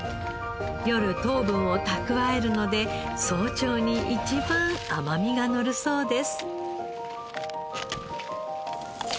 夜糖分を蓄えるので早朝に一番甘みがのるそうです。